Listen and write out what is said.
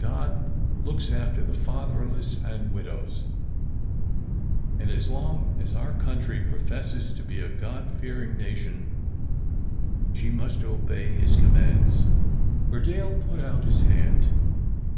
God looks after the fatherless and widows, and as long as our country professes to be a God fearing nation, she must obey His commands." Burdale put out his hand.